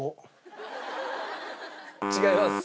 違います。